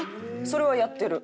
それはやってる。